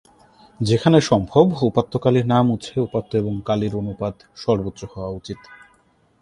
যেখানে সম্ভব উপাত্ত কালি না মুছে উপাত্ত এবং কালির অনুপাত সর্বোচ্চ হওয়া উচিত।